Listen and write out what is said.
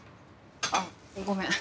あっごめん。